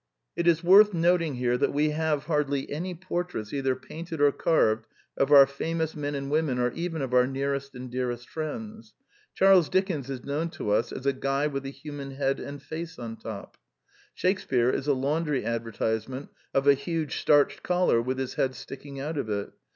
It is worth noting here that we have hardly any portraits, either painted or carved, of our famous men and women or even of our nearest and dearest friends. Charles Dickens is known to us as a guy with a human head and face on top. Shakespear is a laundry advertisement of a huge starched collar with his head sticking out of it.